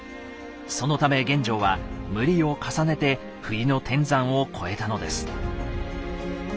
そのため玄奘は無理を重ねて冬の天山を越えたのです。